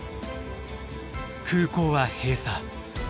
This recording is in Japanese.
空港は閉鎖。